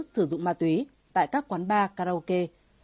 sử dụng ma túy tại các quán bar karaoke